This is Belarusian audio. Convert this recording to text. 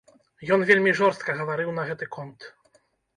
Ён вельмі жорстка гаварыў на гэты конт.